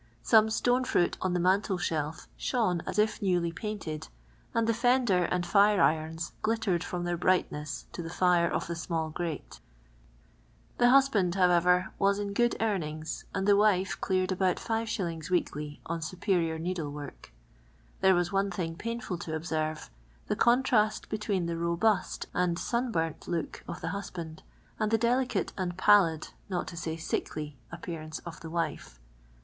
Some stone fruit on tlie mnntel thelf shone ns if newly pftint(?d, and the fender \ and firi' irons glittered In.ni their brightness to the fire of the smnll prate. The hnsluind. how ever, wns in jrood earnin;!s, and the wife cleared about 5f. weekly on superior needlewr rk. There was one thiiip painful to observe — the contrast between the mhiiAt and Eun bumt hnik uf the iinshand, and the delicate nnd pallid, not to say sickly, .'ip[H>arauce of the wife.